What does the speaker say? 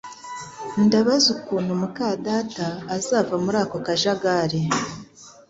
Ndabaza ukuntu muka data azava muri ako kajagari